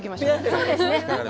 そうですね。